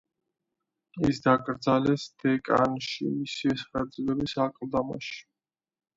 ის დაკრძალეს დეკანში, მისივე სახელობის აკლდამაში.